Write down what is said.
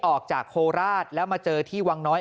ออกจากโคราชแล้วมาเจอที่วังน้อย